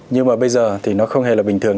nhưng mà bây giờ thì nó không hề là bình thường